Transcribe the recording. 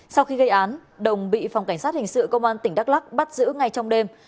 sau khi gây án đồng bị phòng cảnh sát hình sự công an tỉnh đắk lắc bắt giữ ngay trong đêm